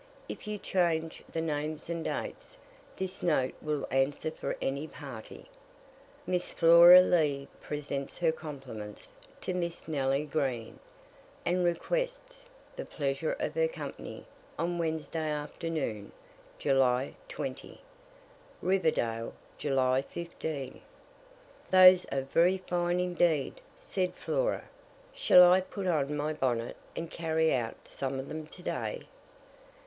If you change the names and dates, this note will answer for any party. _Miss Flora Lee presents her compliments to Miss Nellie Green, and requests the pleasure of her company on Wednesday afternoon, July 20._ Riverdale, July 15. "Those are very fine indeed," said Flora: "shall I put on my bonnet, and carry out some of them to day?"